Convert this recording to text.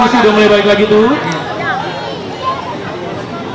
nah itu udah mulai balik lagi tuh